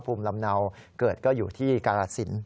ภูมิลำเนาเกิดก็อยู่ที่การาศิลป